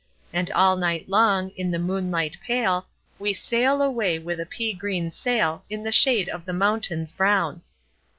And all night long, in the moonlight pale, We sail away with a pea green sailIn the shade of the mountains brown."